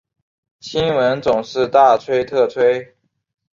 新闻总是大吹特吹